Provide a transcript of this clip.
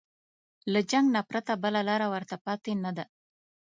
له جنګ نه پرته بله لاره ورته پاتې نه ده.